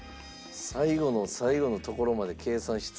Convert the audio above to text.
最後の最後のところまで計算し尽くしての。